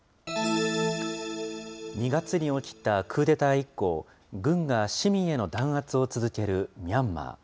２月に起きたクーデター以降、軍が市民への弾圧を続けるミャンマー。